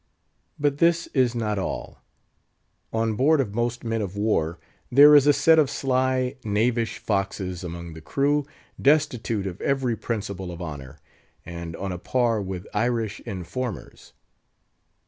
But this is not all. Onboard of most men of war there is a set of sly, knavish foxes among the crew, destitute of every principle of honour, and on a par with Irish informers.